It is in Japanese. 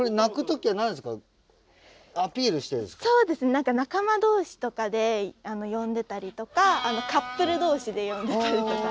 何か仲間同士とかで呼んでたりとかカップル同士で呼んでたりとか。